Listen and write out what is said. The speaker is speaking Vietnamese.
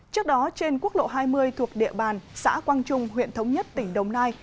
trước đó trên quốc lộ hai mươi thuộc địa bàn xã quang trung huyện thống nhất tỉnh đồng nai